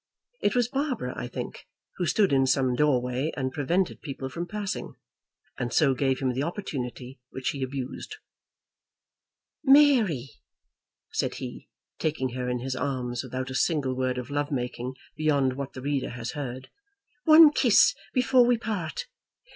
It was Barbara, I think, who stood in some doorway, and prevented people from passing, and so gave him the opportunity which he abused. "Mary," said he, taking her in his arms, without a single word of love making beyond what the reader has heard, "one kiss before we part."